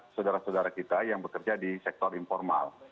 saudara saudara kita yang bekerja di sektor informal